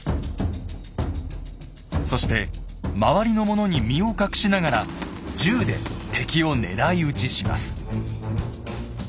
そして周りのものに身を隠しながら銃で敵を狙い撃ちします。